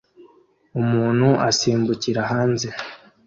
Umuntu asimbukira hanze